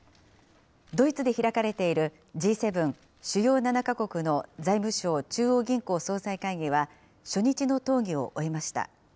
ドイツで開かれている、Ｇ７・主要７か国の財務相・中央銀行総裁会議は、初日の討議を終えました。